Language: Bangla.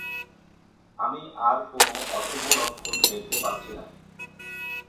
আমি আর কোন অশুভ লক্ষণ দেখতে পাচ্ছি না।